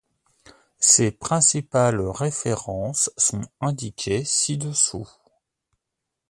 Ses principales références sont indiquées ci-dessous.